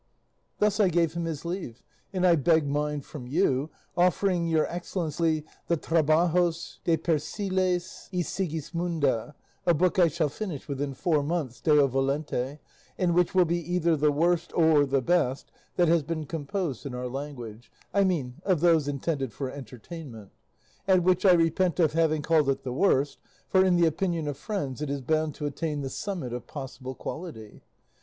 Thus I gave him his leave and I beg mine from you, offering Your Excellency the "Trabajos de Persiles y Sigismunda," a book I shall finish within four months, Deo volente, and which will be either the worst or the best that has been composed in our language, I mean of those intended for entertainment; at which I repent of having called it the worst, for, in the opinion of friends, it is bound to attain the summit of possible quality.